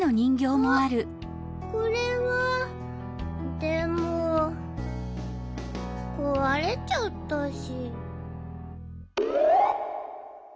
でもこわれちゃったし。